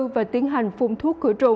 và tiến hành phung thuốc